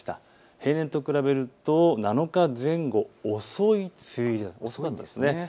平年と比べると７日前後遅い梅雨入りなんです。